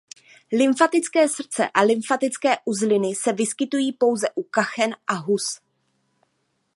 Lymfatické srdce a lymfatické uzliny se vyskytují pouze u kachen a hus.